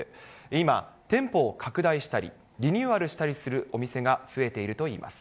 今、店舗を拡大したり、リニューアルしたりするお店が増えているといいます。